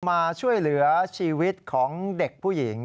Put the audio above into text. มาช่วยเหลือชีวิตของเด็กผู้หญิง